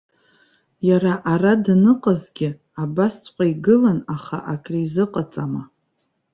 Иара ара даныҟазгьы абасҵәҟьа игылан, аха акризыҟаҵама.